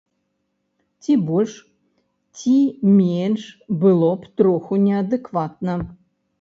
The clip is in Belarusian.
Ці больш, ці менш было б троху неадэкватна.